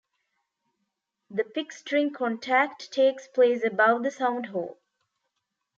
The pick-string contact takes place above the sound-hole.